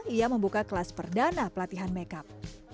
ia membuka kelas perdana pelatihan makeup